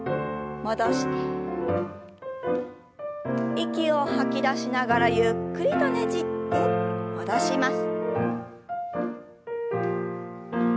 息を吐き出しながらゆっくりとねじって戻します。